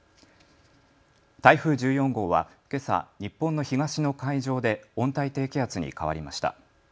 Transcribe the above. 台風１４号はけさ、日本の東の海上で温帯低気圧に変わりました。